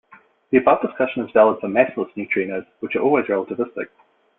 The above discussion is valid for massless neutrinos, which are always relativistic.